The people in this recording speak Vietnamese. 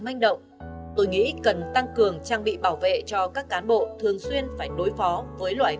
manh động tôi nghĩ cần tăng cường trang bị bảo vệ cho các cán bộ thường xuyên phải đối phó với loại